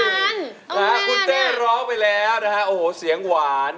เอาแหวนเนี่ยอร้อมนะครับแล้วคุณเต้ร้องไปแล้วโอ้โฮเซียงหวาน